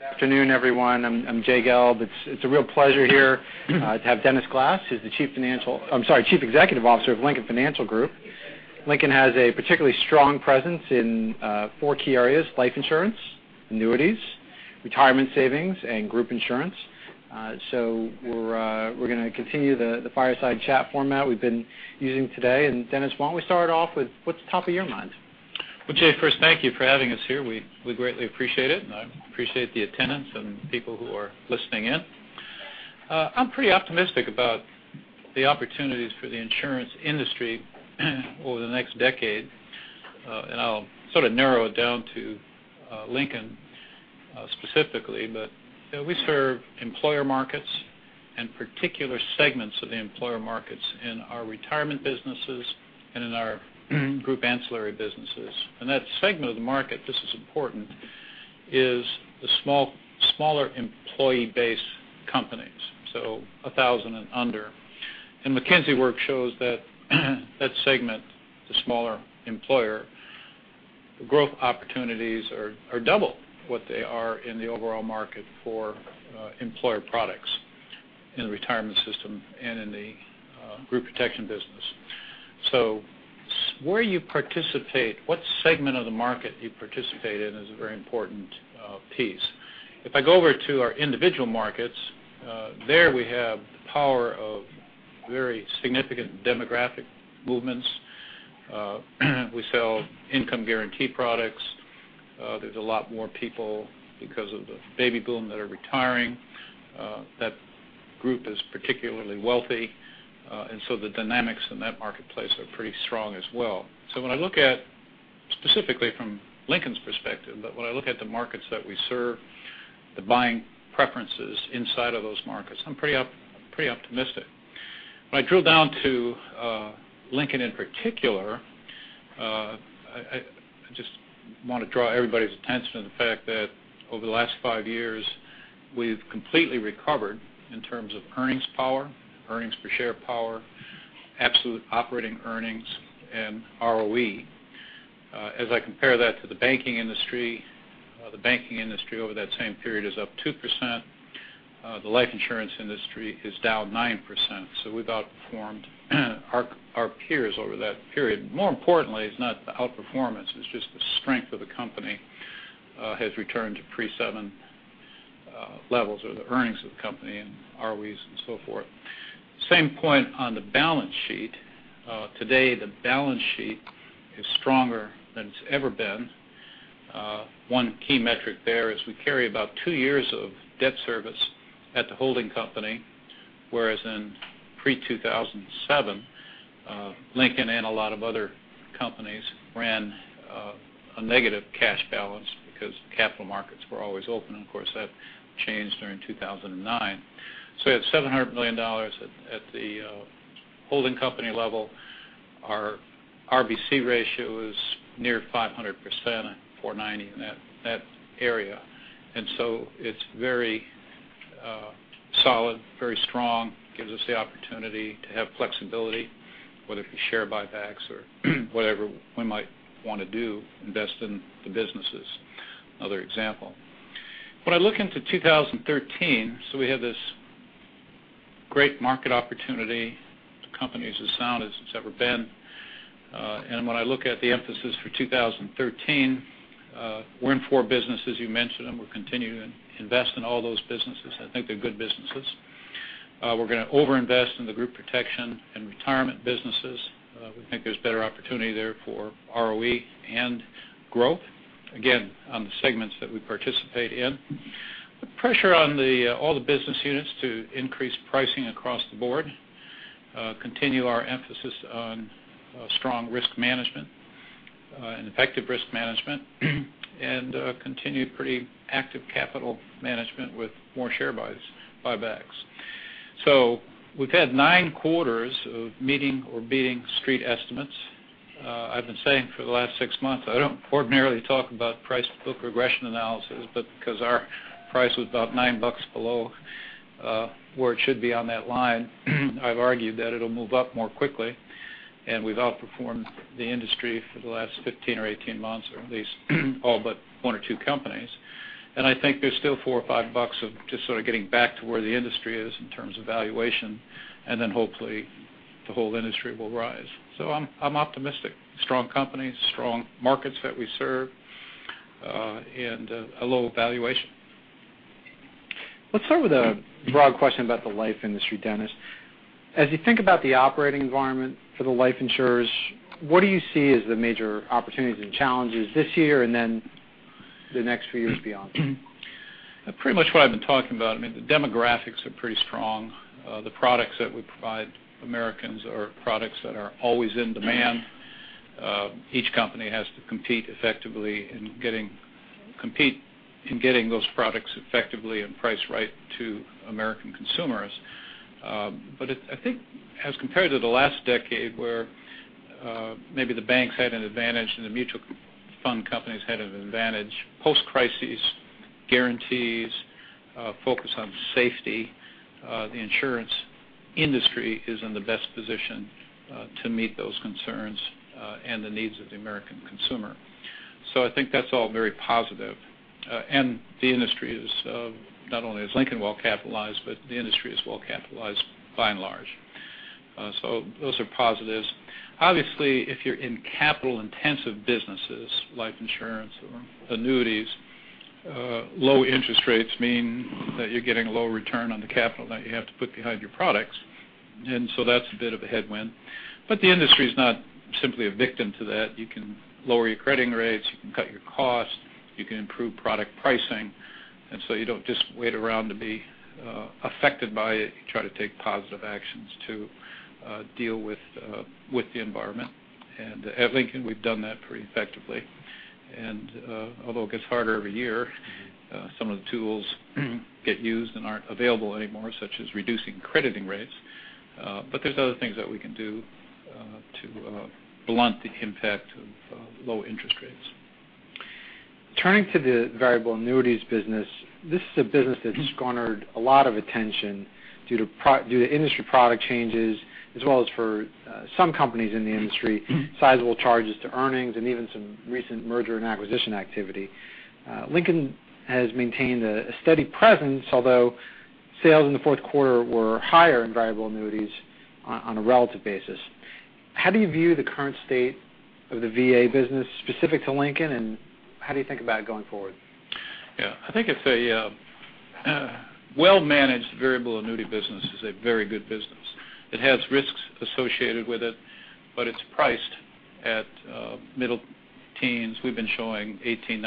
All right. Good afternoon, everyone. I'm Jay Gelb. It's a real pleasure here to have Dennis Glass, who's the Chief Executive Officer of Lincoln Financial Group. Lincoln has a particularly strong presence in four key areas: life insurance, annuities, retirement savings, and group insurance. We're going to continue the fireside chat format we've been using today. Dennis, why don't we start off with, what's the top of your mind? Jay, first, thank you for having us here. We greatly appreciate it, and I appreciate the attendance and people who are listening in. I'm pretty optimistic about the opportunities for the insurance industry over the next decade. I'll sort of narrow it down to Lincoln, specifically. We serve employer markets and particular segments of the employer markets in our retirement businesses and in our group ancillary businesses. That segment of the market, this is important, is the smaller employee base companies, so 1,000 and under. McKinsey work shows that that segment, the smaller employer, growth opportunities are double what they are in the overall market for employer products in the retirement system and in the group protection business. Where you participate, what segment of the market you participate in is a very important piece. If I go over to our individual markets, there we have the power of very significant demographic movements. We sell income guarantee products. There's a lot more people because of the baby boom that are retiring. That group is particularly wealthy. The dynamics in that marketplace are pretty strong as well. When I look at, specifically from Lincoln's perspective, but when I look at the markets that we serve, the buying preferences inside of those markets, I'm pretty optimistic. When I drill down to Lincoln in particular, I just want to draw everybody's attention to the fact that over the last five years, we've completely recovered in terms of earnings power, earnings per share power, absolute operating earnings, and ROE. As I compare that to the banking industry, the banking industry over that same period is up 2%. The life insurance industry is down 9%. We've outperformed our peers over that period. More importantly, it's not the outperformance, it's just the strength of the company has returned to pre-2007 levels or the earnings of the company and ROEs and so forth. Same point on the balance sheet. Today, the balance sheet is stronger than it's ever been. One key metric there is we carry about two years of debt service at the holding company, whereas in pre-2007, Lincoln and a lot of other companies ran a negative cash balance because capital markets were always open, and of course, that changed during 2009. We had $700 million at the holding company level. Our RBC ratio is near 500%, 490, in that area. It's very solid, very strong, gives us the opportunity to have flexibility, whether it be share buybacks or whatever we might want to do, invest in the businesses. Another example. When I look into 2013, we have this great market opportunity. The company is as sound as it's ever been. When I look at the emphasis for 2013, we're in four businesses you mentioned, and we're continuing to invest in all those businesses. I think they're good businesses. We're going to over-invest in the Group Protection and retirement businesses. We think there's better opportunity there for ROE and growth, again, on the segments that we participate in. Put pressure on all the business units to increase pricing across the board, continue our emphasis on strong risk management and effective risk management, continue pretty active capital management with more share buybacks. We've had nine quarters of meeting or beating street estimates. I've been saying for the last six months, I don't ordinarily talk about price-to-book regression analysis, but because our price was about $9 below where it should be on that line, I've argued that it'll move up more quickly. We've outperformed the industry for the last 15 or 18 months, or at least all but one or two companies. I think there's still $4 or $5 of just sort of getting back to where the industry is in terms of valuation, and then hopefully the whole industry will rise. I'm optimistic. Strong company, strong markets that we serve, and a low valuation. Let's start with a broad question about the life industry, Dennis. As you think about the operating environment for the life insurers, what do you see as the major opportunities and challenges this year, and then the next few years beyond? Pretty much what I've been talking about. I mean, the demographics are pretty strong. The products that we provide Americans are products that are always in demand. Each company has to compete in getting those products effectively and priced right to American consumers. I think as compared to the last decade where maybe the banks had an advantage and the mutual fund companies had an advantage, post-crisis guarantees, focus on safety. The insurance industry is in the best position to meet those concerns and the needs of the American consumer. I think that's all very positive. Not only is Lincoln well-capitalized, but the industry is well-capitalized by and large. Those are positives. Obviously, if you're in capital intensive businesses, life insurance or annuities, low interest rates mean that you're getting a lower return on the capital that you have to put behind your products. That's a bit of a headwind. The industry is not simply a victim to that. You can lower your crediting rates, you can cut your cost, you can improve product pricing. You don't just wait around to be affected by it. You try to take positive actions to deal with the environment. At Lincoln, we've done that pretty effectively. Although it gets harder every year, some of the tools get used and aren't available anymore, such as reducing crediting rates. There's other things that we can do to blunt the impact of low interest rates. Turning to the variable annuities business, this is a business that's garnered a lot of attention due to industry product changes as well as for some companies in the industry, sizable charges to earnings, and even some recent merger and acquisition activity. Lincoln has maintained a steady presence, although sales in the fourth quarter were higher in variable annuities on a relative basis. How do you view the current state of the VA business specific to Lincoln, and how do you think about it going forward? Yeah. I think a well-managed variable annuity business is a very good business. It has risks associated with it, but it's priced at middle teens. We've been showing 18%,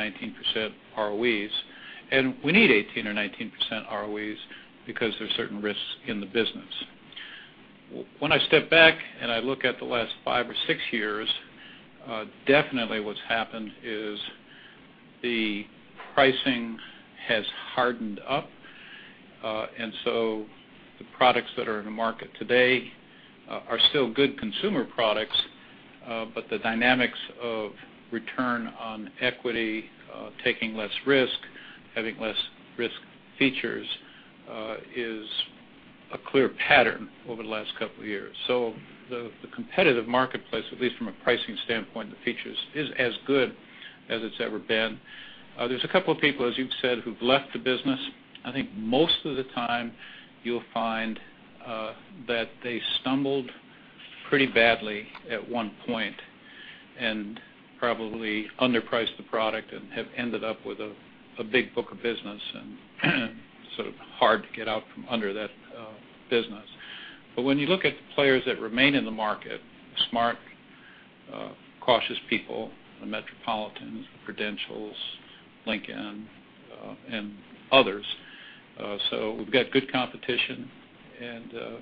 19% ROEs, and we need 18% or 19% ROEs because there's certain risks in the business. When I step back and I look at the last five or six years, definitely what's happened is the pricing has hardened up. The products that are in the market today are still good consumer products. The dynamics of return on equity taking less risk, having less risk features, is a clear pattern over the last couple of years. The competitive marketplace, at least from a pricing standpoint, the features is as good as it's ever been. There's a couple of people, as you've said, who've left the business. I think most of the time you'll find that they stumbled pretty badly at one point and probably underpriced the product and have ended up with a big book of business and sort of hard to get out from under that business. When you look at the players that remain in the market, smart cautious people, the MetLife, the Prudentials, Lincoln and others. We've got good competition. The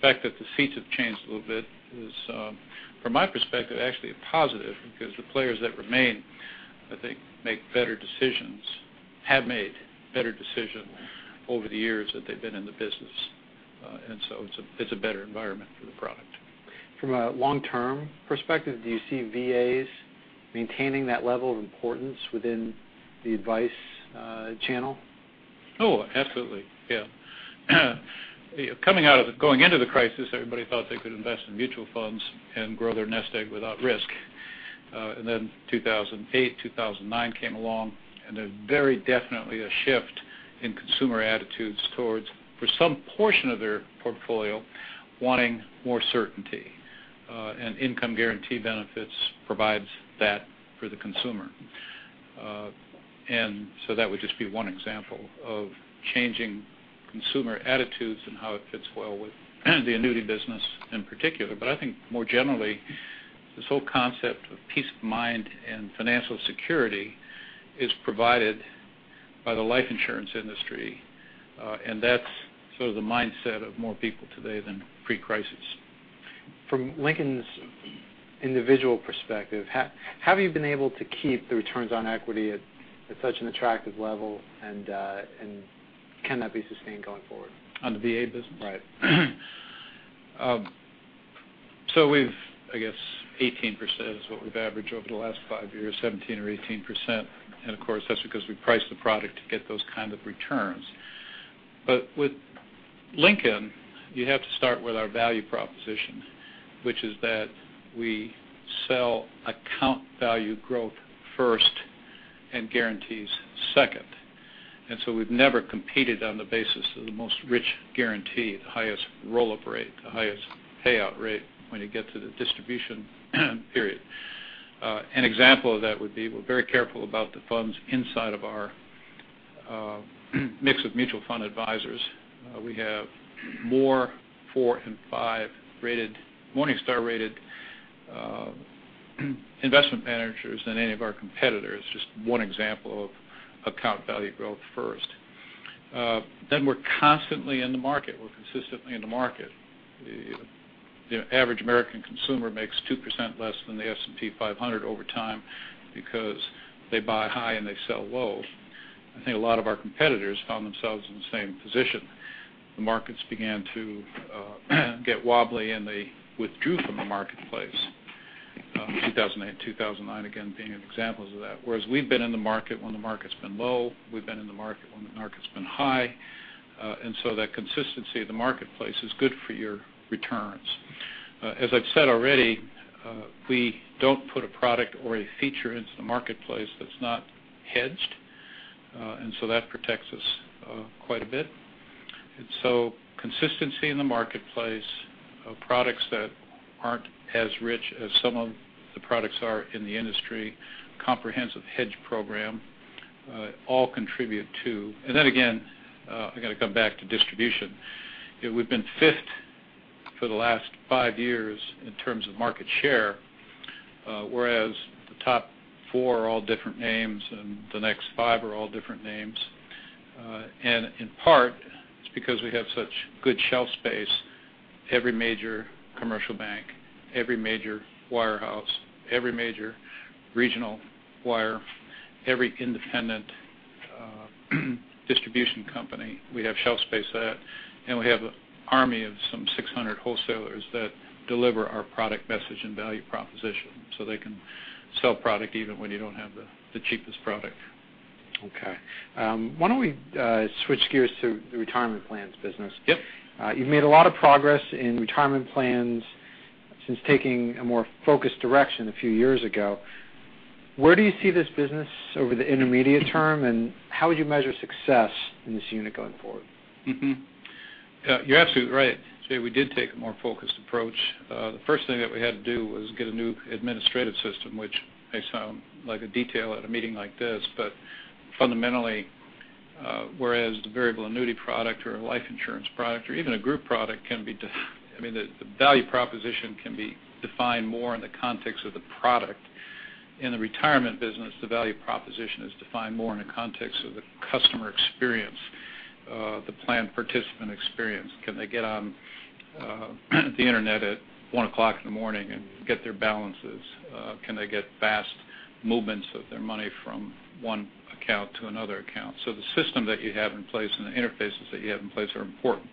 fact that the seats have changed a little bit is from my perspective, actually a positive because the players that remain, I think make better decisions, have made better decisions over the years that they've been in the business. It's a better environment for the product. From a long-term perspective, do you see VAs maintaining that level of importance within the advice channel? Oh, absolutely. Yeah. Then 2008, 2009 came along, There's very definitely a shift in consumer attitudes towards, for some portion of their portfolio wanting more certainty. Income guarantee benefits provides that for the consumer. So that would just be one example of changing consumer attitudes and how it fits well with the annuity business in particular. I think more generally, this whole concept of peace of mind and financial security is provided by the life insurance industry. That's sort of the mindset of more people today than pre-crisis. From Lincoln's individual perspective, have you been able to keep the returns on equity at such an attractive level? Can that be sustained going forward? On the VA business? Right. I guess 18% is what we've averaged over the last five years, 17% or 18%. Of course, that's because we price the product to get those kind of returns. With Lincoln, you have to start with our value proposition, which is that we sell account value growth first and guarantees second. We've never competed on the basis of the most rich guarantee, the highest roll-up rate, the highest payout rate when you get to the distribution period. An example of that would be we're very careful about the funds inside of our mix of mutual fund advisers. We have more four and five Morningstar rated investment managers than any of our competitors. Just one example of account value growth first. We're constantly in the market. We're consistently in the market. The average American consumer makes 2% less than the S&P 500 over time because they buy high and they sell low. I think a lot of our competitors found themselves in the same position. The markets began to get wobbly, and they withdrew from the marketplace. 2008 and 2009 again, being examples of that. Whereas we've been in the market when the market's been low, we've been in the market when the market's been high. That consistency of the marketplace is good for your returns. As I've said already, we don't put a product or a feature into the marketplace that's not hedged. That protects us quite a bit. Consistency in the marketplace of products that aren't as rich as some of the products are in the industry, comprehensive hedge program, all contribute to. Again, I got to come back to distribution. We've been fifth for the last five years in terms of market share. Whereas the top four are all different names, and the next five are all different names. In part, it's because we have such good shelf space. Every major commercial bank, every major wirehouse, every major regional wire, every independent distribution company, we have shelf space at and we have an army of some 600 wholesalers that deliver our product message and value proposition. They can sell product even when you don't have the cheapest product. Okay. Why don't we switch gears to the retirement plans business? Yep. You've made a lot of progress in retirement plans since taking a more focused direction a few years ago. Where do you see this business over the intermediate term, and how would you measure success in this unit going forward? You're absolutely right. We did take a more focused approach. The first thing that we had to do was get a new administrative system, which may sound like a detail at a meeting like this. Fundamentally, whereas the variable annuity product or a life insurance product or even a group insurance product, the value proposition can be defined more in the context of the product. In the retirement business, the value proposition is defined more in the context of the customer experience, the plan participant experience. Can they get on the internet at 1:00 A.M. and get their balances? Can they get fast movements of their money from one account to another account? The system that you have in place and the interfaces that you have in place are important.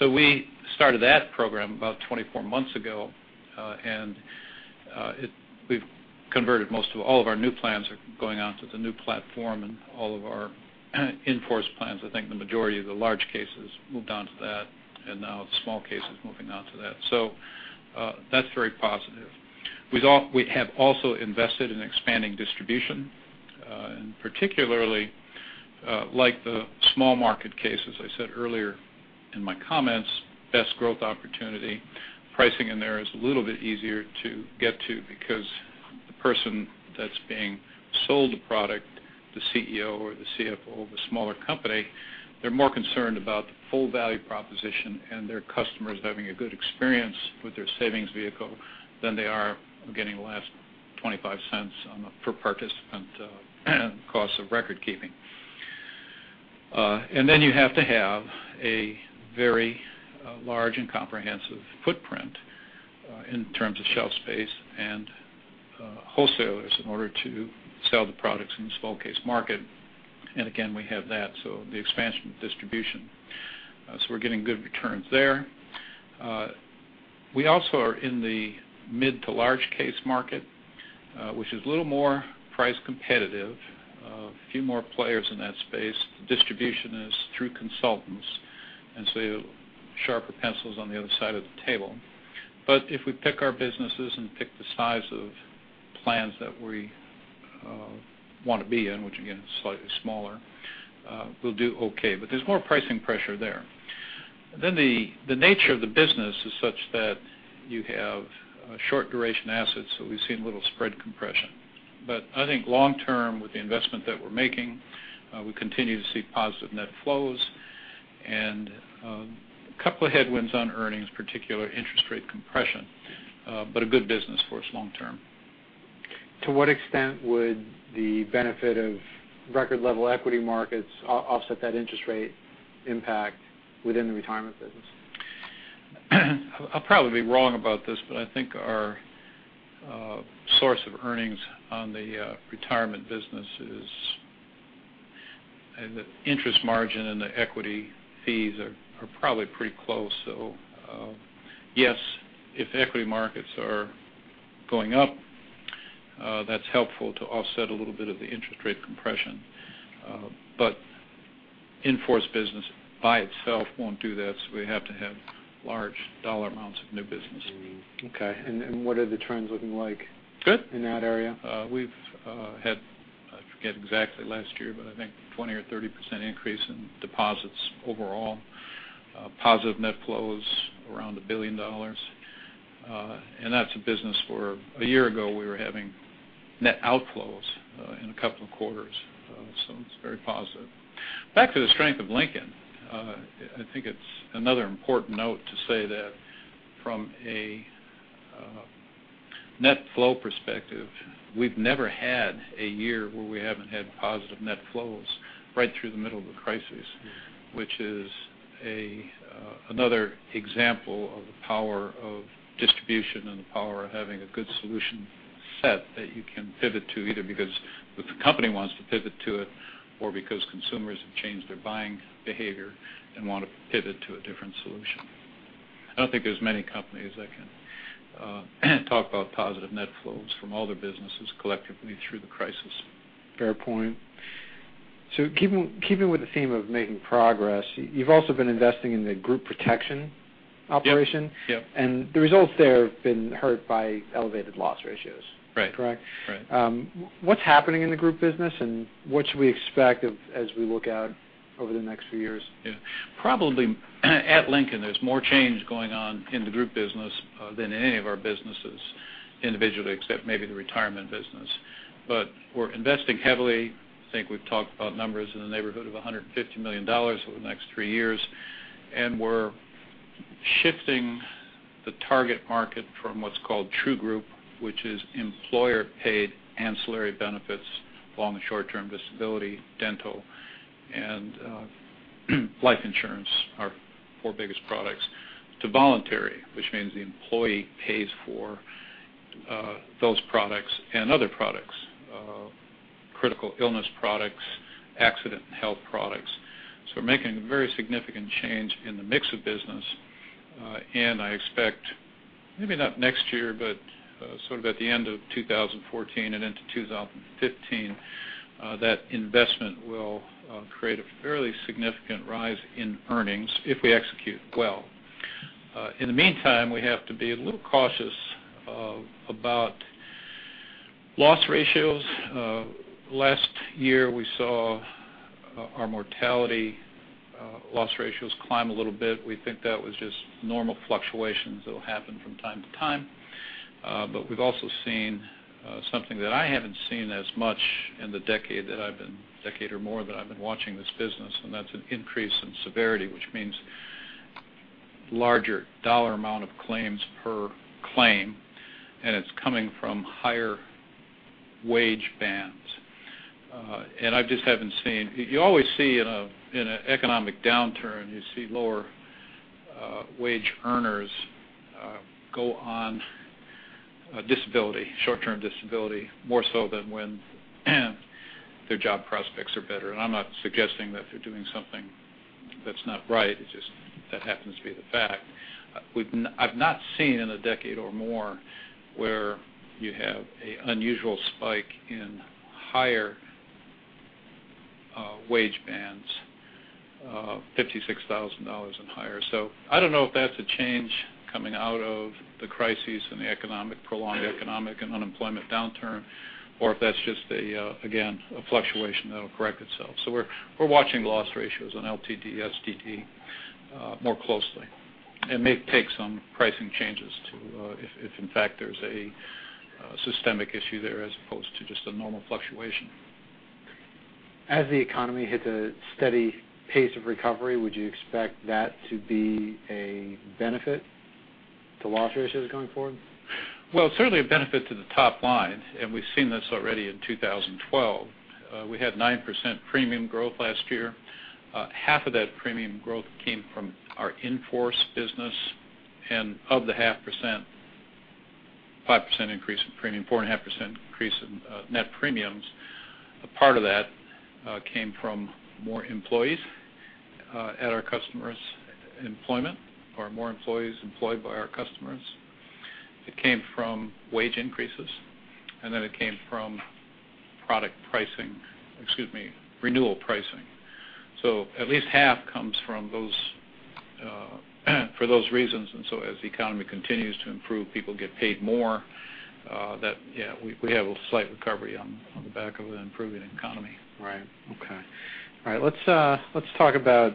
We started that program about 24 months ago. All of our new plans are going onto the new platform and all of our in-force plans. I think the majority of the large cases moved on to that, and now the small case is moving on to that. That's very positive. We have also invested in expanding distribution, and particularly, like the small market cases I said earlier in my comments, best growth opportunity. Pricing in there is a little bit easier to get to because the person that's being sold the product, the CEO or the CFO of a smaller company, they're more concerned about the full value proposition and their customers having a good experience with their savings vehicle than they are getting the last $0.25 per participant cost of record keeping. Then you have to have a very large and comprehensive footprint in terms of shelf space and wholesalers in order to sell the products in the small case market. Again, we have that, so the expansion of distribution. We're getting good returns there. We also are in the mid to large case market, which is a little more price competitive. A few more players in that space. Distribution is through consultants, and so sharper pencils on the other side of the table. If we pick our businesses and pick the size of plans that we want to be in, which again, is slightly smaller, we'll do okay. There's more pricing pressure there. The nature of the business is such that you have short duration assets, so we've seen a little spread compression. I think long term with the investment that we're making, we continue to see positive net flows. A couple of headwinds on earnings, particular interest rate compression, but a good business for us long term. To what extent would the benefit of record level equity markets offset that interest rate impact within the retirement business? I'll probably be wrong about this, but I think our source of earnings on the retirement business is the interest margin, and the equity fees are probably pretty close. Yes, if equity markets are going up, that's helpful to offset a little bit of the interest rate compression. In-force business by itself won't do that, so we have to have large dollar amounts of new business. Okay. What are the trends looking like? Good in that area? We've had, I forget exactly last year, but I think 20% or 30% increase in deposits overall. Positive net flows around $1 billion. That's a business where a year ago we were having net outflows in a couple of quarters. It's very positive. Back to the strength of Lincoln. I think it's another important note to say that from a net flow perspective, we've never had a year where we haven't had positive net flows right through the middle of the crisis. Yeah. Which is another example of the power of distribution and the power of having a good solution set that you can pivot to, either because if the company wants to pivot to it Because consumers have changed their buying behavior and want to pivot to a different solution. I don't think there's many companies that can talk about positive net flows from all their businesses collectively through the crisis. Fair point. Keeping with the theme of making progress, you've also been investing in the group protection operation. Yep. The results there have been hurt by elevated loss ratios. Right. Correct? Right. What's happening in the group business, and what should we expect as we look out over the next few years? Probably at Lincoln, there's more change going on in the group business than in any of our businesses individually, except maybe the retirement business. We're investing heavily. I think we've talked about numbers in the neighborhood of $150 million over the next three years, and we're shifting the target market from what's called True Group, which is employer-paid ancillary benefits, long and short-term disability, dental, and life insurance, are our four biggest products, to voluntary. Which means the employee pays for those products and other products, critical illness products, accident and health products. We're making a very significant change in the mix of business. I expect, maybe not next year, but sort of at the end of 2014 and into 2015, that investment will create a fairly significant rise in earnings if we execute well. In the meantime, we have to be a little cautious about loss ratios. Last year, we saw our mortality loss ratios climb a little bit. We think that was just normal fluctuations that will happen from time to time. We've also seen something that I haven't seen as much in the decade that I've been, decade or more, that I've been watching this business, and that's an increase in severity, which means larger dollar amount of claims per claim, and it's coming from higher wage bands. You always see in an economic downturn, you see lower wage earners go on a disability, short-term disability, more so than when their job prospects are better. I'm not suggesting that they're doing something that's not right. It's just that happens to be the fact. I've not seen in a decade or more where you have an unusual spike in higher wage bands, $56,000 and higher. I don't know if that's a change coming out of the crises and the prolonged economic and unemployment downturn, or if that's just a fluctuation that'll correct itself. We're watching loss ratios on LTD, STD more closely. It may take some pricing changes too if in fact there's a systemic issue there as opposed to just a normal fluctuation. As the economy hits a steady pace of recovery, would you expect that to be a benefit to loss ratios going forward? Well, it's certainly a benefit to the top line. We've seen this already in 2012. We had 9% premium growth last year. Half of that premium growth came from our in-force business. Of the half percent, 5% increase in premium, 4.5% increase in net premiums, a part of that came from more employees at our customers' employment or more employees employed by our customers. It came from wage increases, then it came from product pricing, excuse me, renewal pricing. At least half comes for those reasons. As the economy continues to improve, people get paid more, we have a slight recovery on the back of an improving economy. Right. Okay. All right. Let's talk about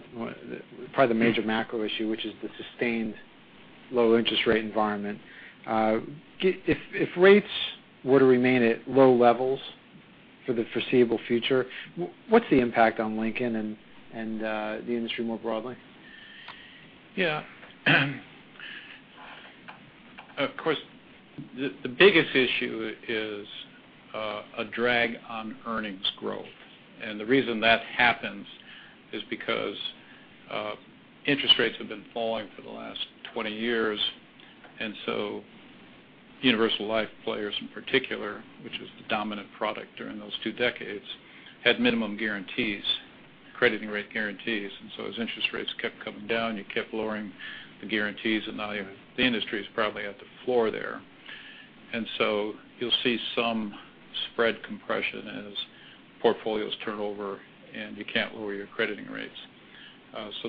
probably the major macro issue, which is the sustained low interest rate environment. If rates were to remain at low levels for the foreseeable future, what's the impact on Lincoln and the industry more broadly? Yeah. Of course, the biggest issue is a drag on earnings growth. The reason that happens is because interest rates have been falling for the last 20 years. Universal life players in particular, which was the dominant product during those two decades, had minimum guarantees, crediting rate guarantees. As interest rates kept coming down, you kept lowering the guarantees, and now the industry is probably at the floor there. You'll see some spread compression as portfolios turn over, and you can't lower your crediting rates.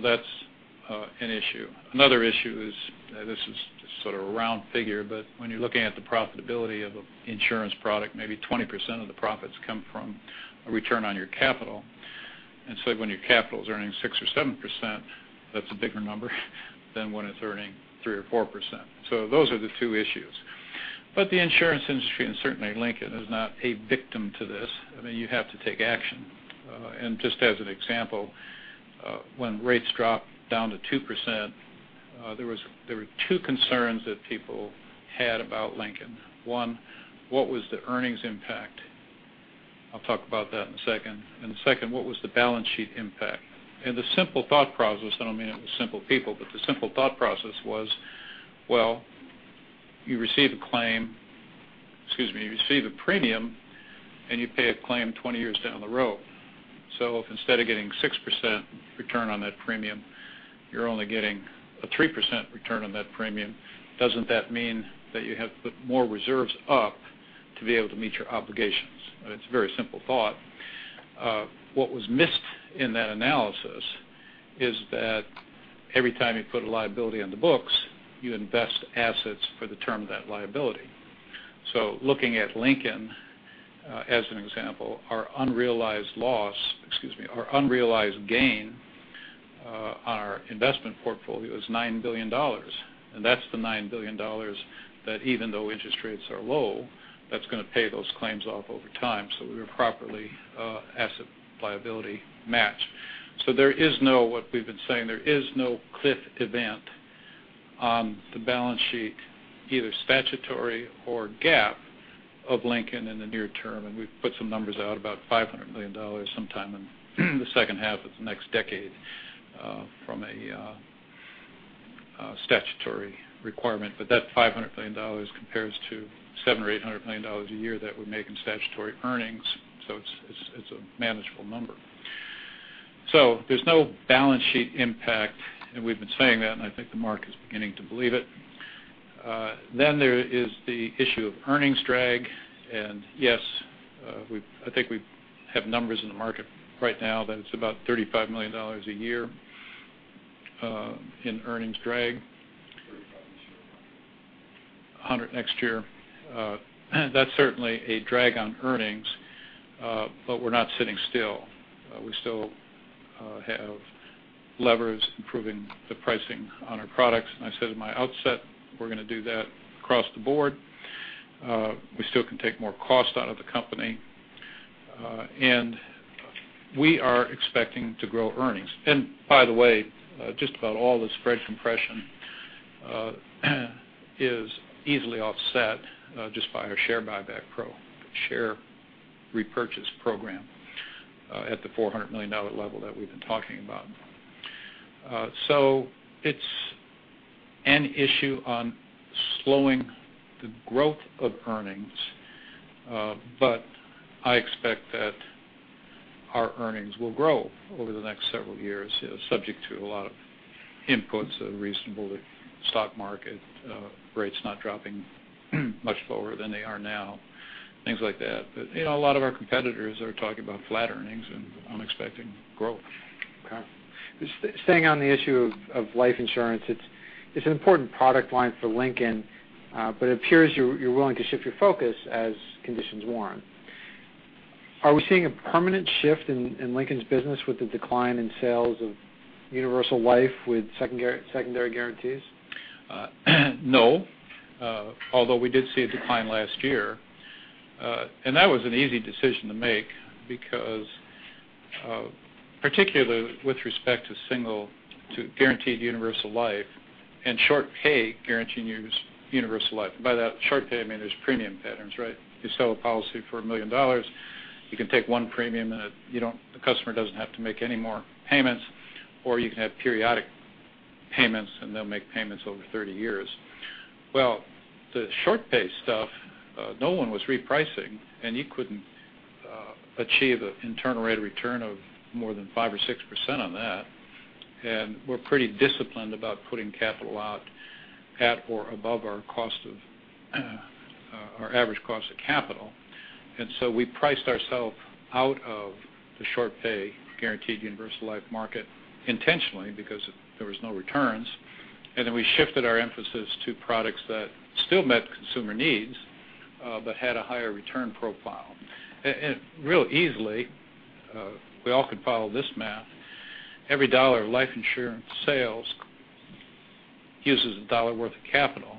That's an issue. Another issue is, this is just sort of a round figure, but when you're looking at the profitability of an insurance product, maybe 20% of the profits come from a return on your capital. When your capital is earning 6% or 7%, that's a bigger number than when it's earning 3% or 4%. Those are the two issues. The insurance industry, and certainly Lincoln, is not a victim to this. I mean, you have to take action. Just as an example, when rates dropped down to 2%, there were two concerns that people had about Lincoln. One, what was the earnings impact? I'll talk about that in a second. Second, what was the balance sheet impact? The simple thought process, I don't mean it was simple people, but the simple thought process was, well, you receive a claim. Excuse me. You receive a premium, and you pay a claim 20 years down the road. If instead of getting 6% return on that premium, you're only getting a 3% return on that premium, doesn't that mean that you have to put more reserves up to be able to meet your obligations? It's a very simple thought. What was missed in that analysis is that every time you put a liability on the books, you invest assets for the term of that liability. Looking at Lincoln, as an example, our unrealized loss, excuse me, our unrealized gain on our investment portfolio is $9 billion. That's the $9 billion that even though interest rates are low, that's going to pay those claims off over time. We are properly asset liability matched. There is no, what we've been saying, there is no cliff event on the balance sheet, either statutory or GAAP of Lincoln in the near term, and we've put some numbers out, about $500 million sometime in the second half of the next decade from a statutory requirement. That $500 million compares to $700 or $800 million a year that we make in statutory earnings. It's a manageable number. There's no balance sheet impact, and we've been saying that, and I think the market is beginning to believe it. There is the issue of earnings drag, and yes, I think we have numbers in the market right now that it's about $35 million a year in earnings drag. 35 this year, 100 100 next year. That's certainly a drag on earnings. We're not sitting still. We still have levers improving the pricing on our products. I said at my outset, we're going to do that across the board. We still can take more cost out of the company. We are expecting to grow earnings. By the way, just about all the spread compression is easily offset just by our share repurchase program at the $400 million level that we've been talking about. It's an issue on slowing the growth of earnings. I expect that our earnings will grow over the next several years, subject to a lot of inputs, a reasonable stock market, rates not dropping much lower than they are now, things like that. A lot of our competitors are talking about flat earnings, and I'm expecting growth. Okay. Staying on the issue of life insurance, it's an important product line for Lincoln, but it appears you're willing to shift your focus as conditions warrant. Are we seeing a permanent shift in Lincoln's business with the decline in sales of universal life with secondary guarantees? No. Although we did see a decline last year. That was an easy decision to make because, particularly with respect to Single Premium Guaranteed Universal Life and short pay guaranteed universal life. By that short pay, I mean there's premium patterns, right? You sell a policy for $1 million, you can take one premium, and the customer doesn't have to make any more payments, or you can have periodic payments, and they'll make payments over 30 years. Well, the short pay stuff, no one was repricing, and you couldn't achieve an internal rate of return of more than 5% or 6% on that. We're pretty disciplined about putting capital out at or above our average cost of capital. We priced ourselves out of the short pay guaranteed universal life market intentionally because there was no returns. We shifted our emphasis to products that still met consumer needs but had a higher return profile. Really easily, we all could follow this math. Every $1 of life insurance sales uses a $1 worth of capital.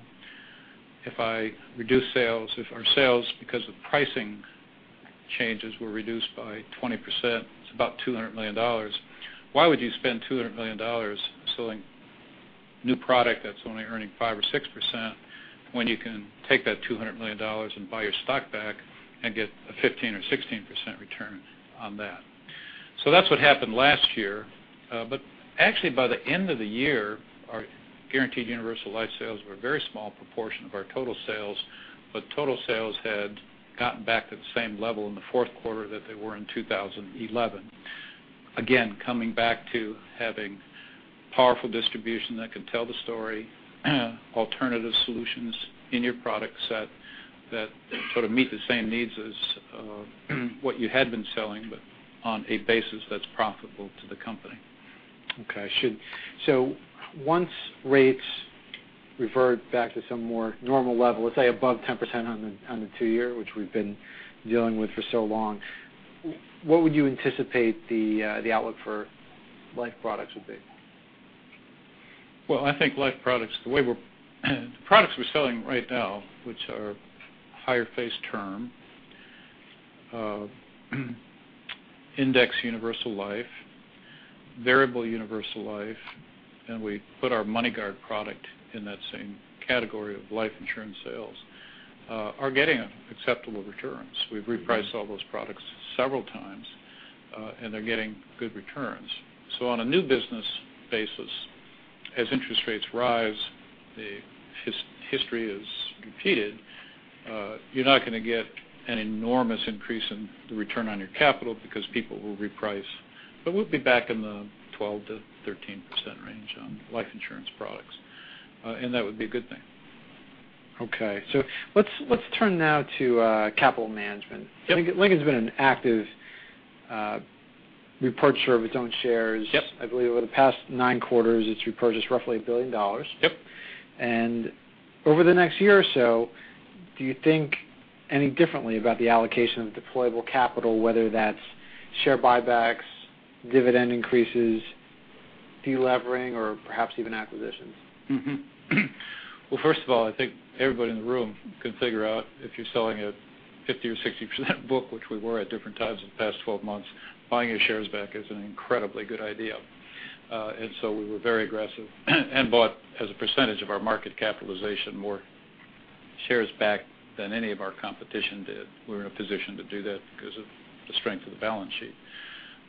If I reduce sales, if our sales, because of pricing changes, were reduced by 20%, it's about $200 million. Why would you spend $200 million selling new product that's only earning 5% or 6% when you can take that $200 million and buy your stock back and get a 15% or 16% return on that? That's what happened last year. Actually, by the end of the year, our Guaranteed Universal Life sales were a very small proportion of our total sales, but total sales had gotten back to the same level in the fourth quarter that they were in 2011. Again, coming back to having powerful distribution that can tell the story, alternative solutions in your product set that sort of meet the same needs as what you had been selling, but on a basis that's profitable to the company. Okay. Once rates revert back to some more normal level, let's say above 10% on the 2-year, which we've been dealing with for so long, what would you anticipate the outlook for life products would be? Well, I think life products, the products we're selling right now, which are higher face term, Indexed Universal Life, Variable Universal Life, and we put our MoneyGuard product in that same category of life insurance sales are getting acceptable returns. We've repriced all those products several times, and they're getting good returns. On a new business basis as interest rates rise, if history is repeated, you're not going to get an enormous increase in the return on your capital because people will reprice. We'll be back in the 12%-13% range on life insurance products. That would be a good thing. Let's turn now to capital management. Yep. Lincoln's been an active repurchaser of its own shares. Yep. I believe over the past nine quarters, it's repurchased roughly $1 billion. Yep. Over the next year or so, do you think any differently about the allocation of deployable capital, whether that's share buybacks, dividend increases, de-levering, or perhaps even acquisitions? Mm-hmm. Well, first of all, I think everybody in the room can figure out if you're selling a 50% or 60% book, which we were at different times in the past 12 months, buying your shares back is an incredibly good idea. We were very aggressive and bought, as a percentage of our market capitalization, more shares back than any of our competition did. We were in a position to do that because of the strength of the balance sheet.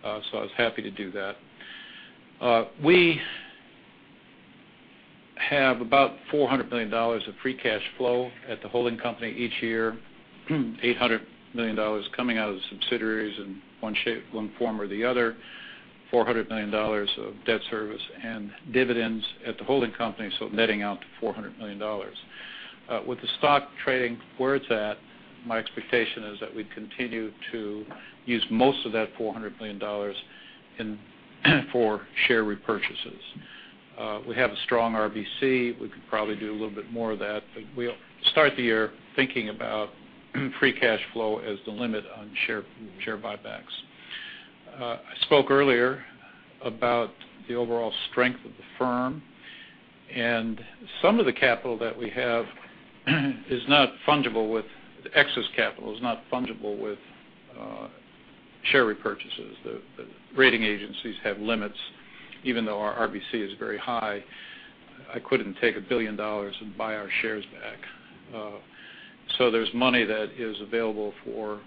I was happy to do that. We have about $400 million of free cash flow at the holding company each year. $800 million coming out of the subsidiaries in one form or the other, $400 million of debt service and dividends at the holding company, netting out to $400 million. With the stock trading where it's at, my expectation is that we continue to use most of that $400 million for share repurchases. We have a strong RBC. We could probably do a little bit more of that, but we'll start the year thinking about free cash flow as the limit on share buybacks. I spoke earlier about the overall strength of the firm, some of the capital that we have is not fungible with excess capital, is not fungible with share repurchases. The rating agencies have limits. Even though our RBC is very high, I couldn't take $1 billion and buy our shares back. There's money that is available for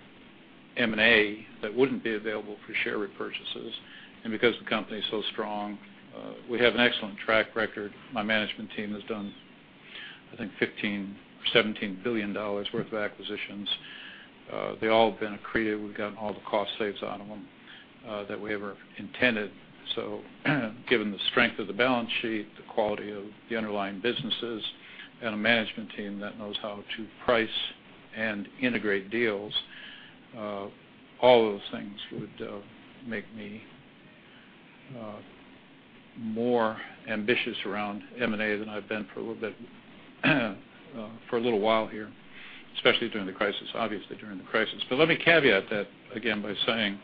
M&A that wouldn't be available for share repurchases. Because the company is so strong, we have an excellent track record. My management team has done, I think, $15 or $17 billion worth of acquisitions. They all have been accretive. We've gotten all the cost saves out of them that we ever intended. Given the strength of the balance sheet, the quality of the underlying businesses, and a management team that knows how to price and integrate deals, all of those things would make me more ambitious around M&A than I've been for a little while here, especially during the crisis, obviously during the crisis. Let me caveat that again by saying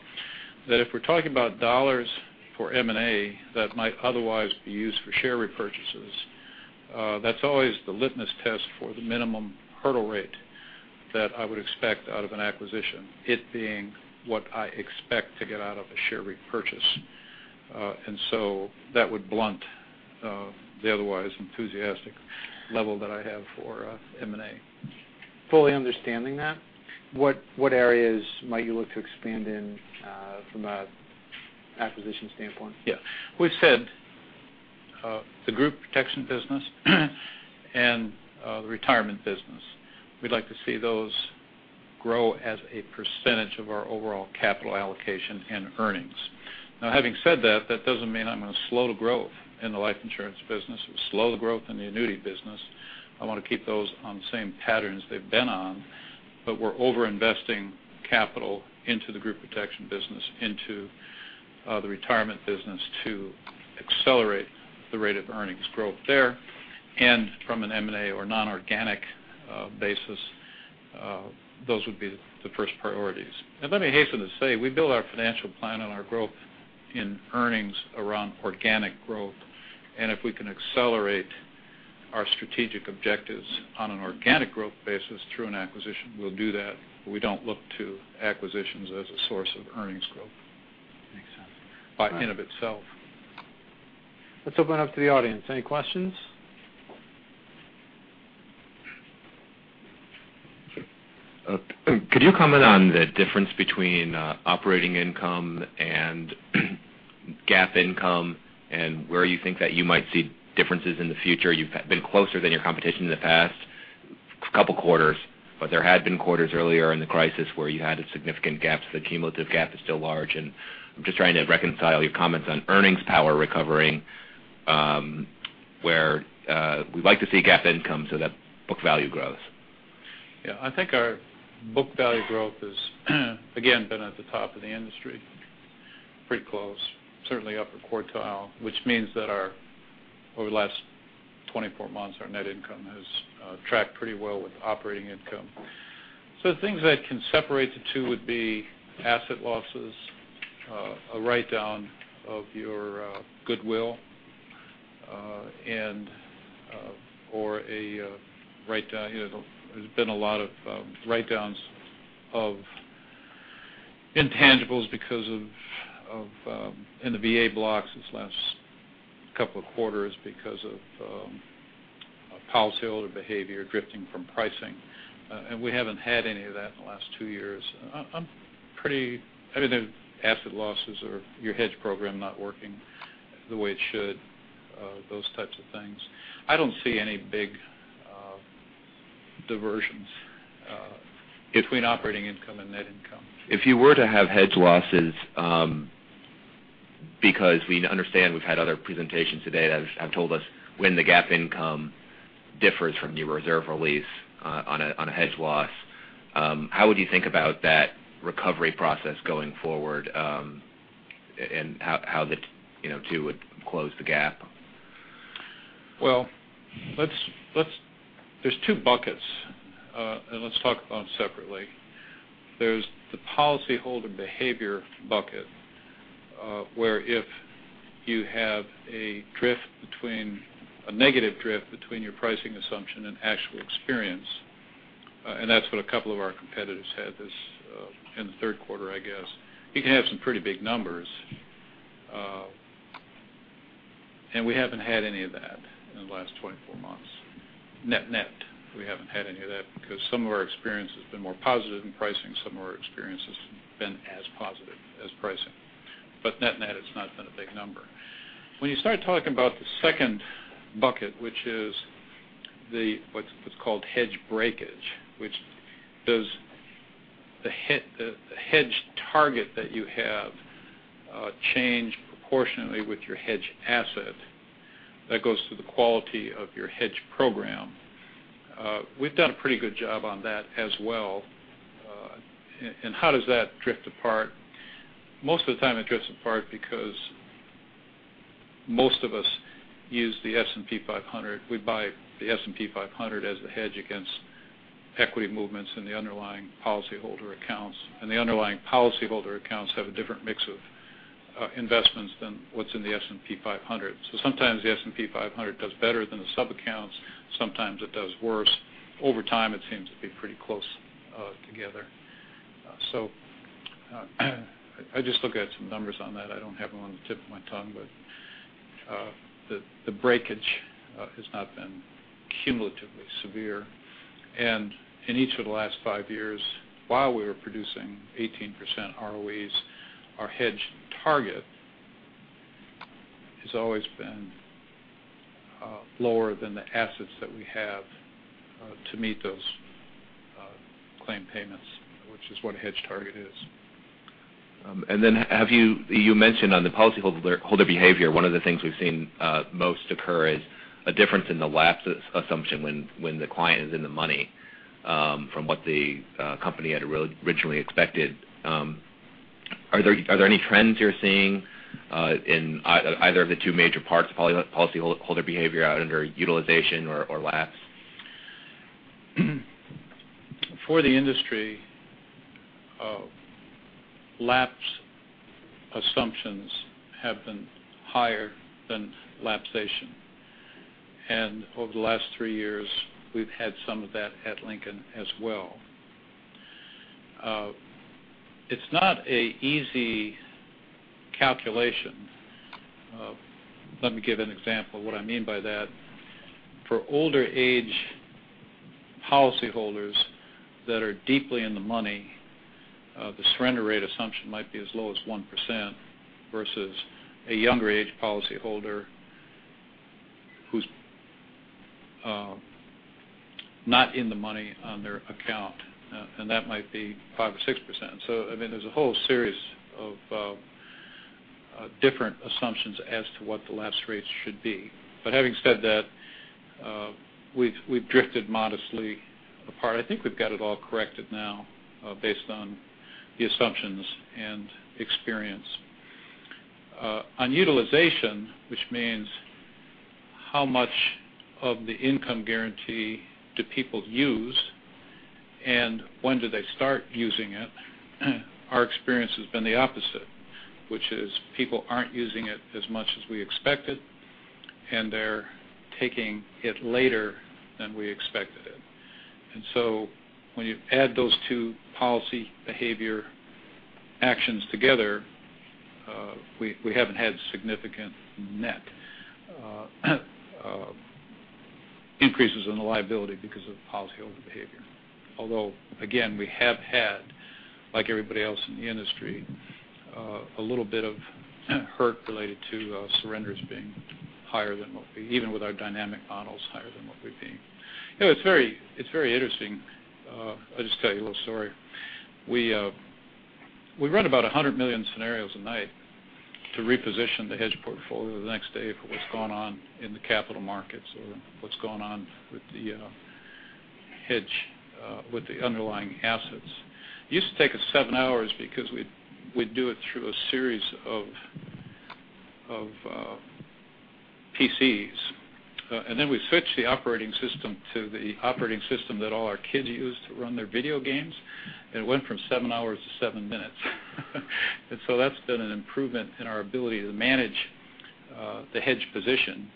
that if we're talking about dollars for M&A that might otherwise be used for share repurchases, that's always the litmus test for the minimum hurdle rate that I would expect out of an acquisition. It being what I expect to get out of a share repurchase. That would blunt the otherwise enthusiastic level that I have for M&A. Fully understanding that, what areas might you look to expand in from an acquisition standpoint? We've said the group protection business and the retirement business. We'd like to see those grow as a percentage of our overall capital allocation and earnings. Now, having said that doesn't mean I'm going to slow the growth in the life insurance business or slow the growth in the annuity business. I want to keep those on the same patterns they've been on, but we're over-investing capital into the group protection business, into the retirement business to accelerate the rate of earnings growth there. From an M&A or non-organic basis, those would be the first priorities. Let me hasten to say, we build our financial plan and our growth in earnings around organic growth. If we can accelerate our strategic objectives on an organic growth basis through an acquisition, we'll do that, but we don't look to acquisitions as a source of earnings growth. Makes sense. By and of itself. Let's open it up to the audience. Any questions? Could you comment on the difference between operating income and GAAP income and where you think that you might see differences in the future? You've been closer than your competition in the past couple quarters, but there had been quarters earlier in the crisis where you had a significant GAAP. The cumulative GAAP is still large, and I'm just trying to reconcile your comments on earnings power recovering, where we'd like to see GAAP income so that book value grows. Yeah. I think our book value growth has, again, been at the top of the industry. Pretty close, certainly upper quartile, which means that over the last 24 months, our net income has tracked pretty well with operating income. The things that can separate the two would be asset losses, a write-down of your goodwill, and/or a write-down. There's been a lot of write-downs of intangibles in the VA blocks these last couple of quarters because of policyholder behavior drifting from pricing. We haven't had any of that in the last two years. I mean, the asset losses or your hedge program not working the way it should, those types of things. I don't see any big diversions between operating income and net income. If you were to have hedge losses, because we understand we've had other presentations today that have told us when the GAAP income differs from new reserve release on a hedge loss, how would you think about that recovery process going forward, and how the two would close the gap? Well, there's two buckets. Let's talk about them separately. There's the policyholder behavior bucket, where if you have a negative drift between your pricing assumption and actual experience, and that's what a couple of our competitors had in the third quarter, I guess. You can have some pretty big numbers. We haven't had any of that in the last 24 months. Net, we haven't had any of that because some of our experience has been more positive in pricing. Some of our experience has been as positive as pricing. Net, it's not been a big number. When you start talking about the second bucket, which is what's called hedge breakage, which does the hedge target that you have change proportionately with your hedge asset that goes to the quality of your hedge program. We've done a pretty good job on that as well. How does that drift apart? Most of the time, it drifts apart because most of us use the S&P 500. We buy the S&P 500 as a hedge against equity movements in the underlying policyholder accounts. The underlying policyholder accounts have a different mix of investments than what's in the S&P 500. Sometimes the S&P 500 does better than the subaccounts. Sometimes it does worse. Over time, it seems to be pretty close together. I just looked at some numbers on that. I don't have them on the tip of my tongue, but the hedge breakage has not been cumulatively severe. In each of the last 5 years, while we were producing 18% ROE, our hedged target has always been lower than the assets that we have to meet those claim payments, which is what a hedge target is. You mentioned on the policyholder behavior, one of the things we've seen most occur is a difference in the lapse assumption when the client is in the money from what the company had originally expected. Are there any trends you're seeing in either of the 2 major parts of policyholder behavior under utilization or lapse? For the industry, lapse assumptions have been higher than lapsation. Over the last 3 years, we've had some of that at Lincoln as well. It's not an easy calculation. Let me give an example of what I mean by that. For older age policyholders that are deeply in the money, the surrender rate assumption might be as low as 1%, versus a younger age policyholder who's not in the money on their account, and that might be 5% or 6%. I mean, there's a whole series of different assumptions as to what the lapse rates should be. Having said that, we've drifted modestly apart. I think we've got it all corrected now based on the assumptions and experience. On utilization, which means how much of the income guarantee do people use and when do they start using it, our experience has been the opposite, which is people aren't using it as much as we expected, and they're taking it later than we expected it. When you add those 2 policy behavior actions together, we haven't had significant net increases in the liability because of policyholder behavior. Although, again, we have had, like everybody else in the industry, a little bit of hurt related to surrenders being higher, even with our dynamic models, higher than what we've seen. It's very interesting. I'll just tell you a little story. We run about 100 million scenarios a night to reposition the hedge portfolio the next day for what's gone on in the capital markets or what's gone on with the hedge, with the underlying assets. It used to take us seven hours because we'd do it through a series of PCs. Then we switched the operating system to the operating system that all our kids use to run their video games. It went from seven hours to seven minutes. That's been an improvement in our ability to manage the hedge position.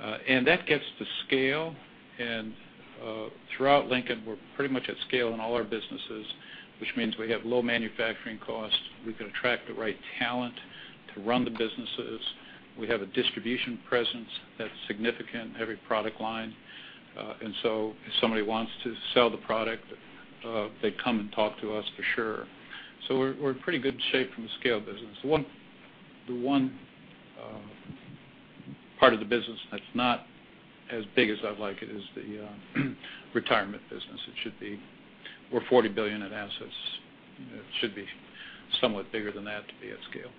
That gets to scale, and throughout Lincoln, we're pretty much at scale in all our businesses, which means we have low manufacturing costs. We can attract the right talent to run the businesses. We have a distribution presence that's significant in every product line. If somebody wants to sell the product, they come and talk to us for sure. We're in pretty good shape from a scale business. The one part of the business that's not as big as I'd like it is the retirement business. We're $40 billion in assets. It should be somewhat bigger than that to be at scale.